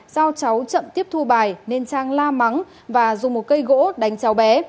do cháu chậm tiếp thu bài nên trang la mắng và dùng một cây gỗ đánh cháu bé